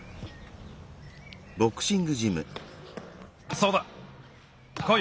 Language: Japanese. そうだこい。